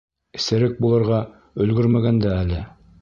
— Серек булырға, өлгөрмәгән дә әле.